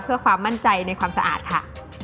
เพื่อความมั่นใจในความสะอาดค่ะ